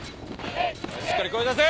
しっかり声出せ！